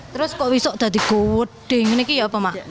terus kok besok udah di gowodeng ini apa mak